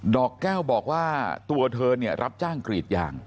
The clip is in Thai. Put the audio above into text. อกแก้วบอกว่าตัวเธอรับจ้างกรีดยาง